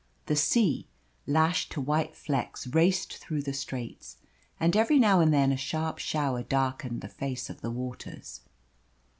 The sea, lashed to white flecks, raced through the straits, and every now and then a sharp shower darkened the face of the waters.